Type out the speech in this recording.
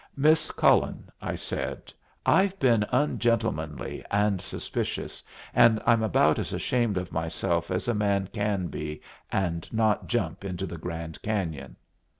"Miss Cullen," I said, "I've been ungentlemanly and suspicious, and I'm about as ashamed of myself as a man can be and not jump into the Grand Cañon.